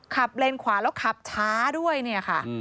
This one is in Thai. เลนขวาแล้วขับช้าด้วยเนี่ยค่ะ